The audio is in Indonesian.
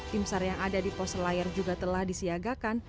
timsar yang ada di pos selayar juga telah disiagakan